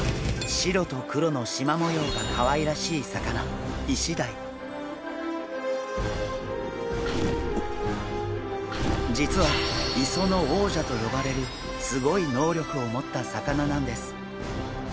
白と黒のしま模様がかわいらしい魚実は磯の王者と呼ばれるすごい能力を持った魚なんです！